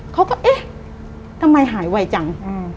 เขาก็เอ๊ะทำไมหายไวจัง